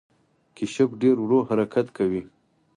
کیشپ ډیر ورو حرکت کوي